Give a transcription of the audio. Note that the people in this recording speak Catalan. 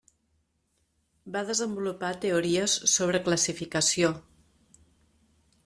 Va desenvolupar teories sobre classificació.